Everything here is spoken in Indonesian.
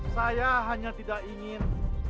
saya hanya tidak ingin